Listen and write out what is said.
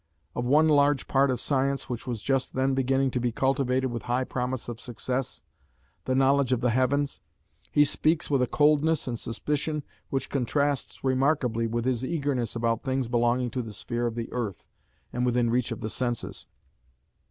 Of one large part of science, which was just then beginning to be cultivated with high promise of success the knowledge of the heavens he speaks with a coldness and suspicion which contrasts remarkably with his eagerness about things belonging to the sphere of the earth and within reach of the senses.